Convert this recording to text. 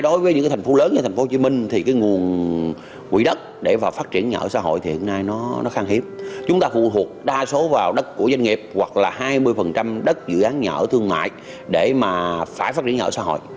đa số vào đất của doanh nghiệp hoặc là hai mươi đất dự án nhà ở thương mại để mà phải phát triển nhà ở xã hội